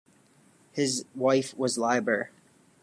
His wife was Liber.